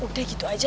ih udah gitu aja